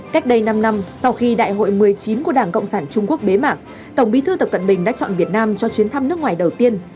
cách đây năm năm sau khi đại hội một mươi chín của đảng cộng sản trung quốc bế mạng tổng bí thư tập cận bình đã chọn việt nam cho chuyến thăm nước ngoài đầu tiên